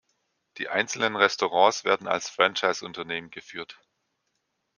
Die einzelnen Restaurants werden als Franchise-Unternehmen geführt.